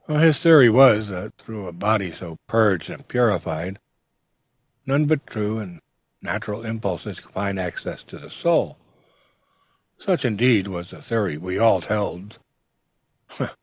His theory was, that through a body so purged and purified none but true and natural impulses could find access to the soul. Such, indeed, was the theory we all held....